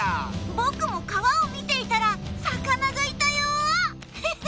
僕も川を見ていたら魚がいたよフフ。